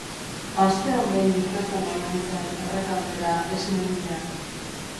Astean behin irteten omen zen Errekaldera esne bila.